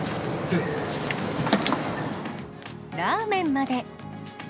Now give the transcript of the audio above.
ラーメンまで。